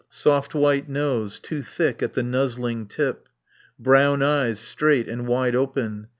Soft white nose, too thick at the nuzzling tip. Brown eyes straight and wide open.